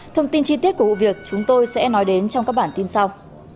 thông tin chi tiết của vụ việc chúng tôi sẽ nói đến trong các bản tin sau